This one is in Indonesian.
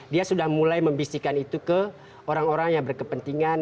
dia sudah mulai membisikkan itu ke orang orang yang berkepentingan